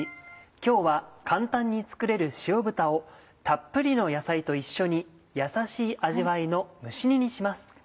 今日は簡単に作れる塩豚をたっぷりの野菜と一緒に優しい味わいの蒸し煮にします。